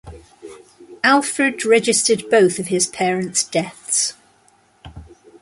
Alfred registered both of his parents' deaths.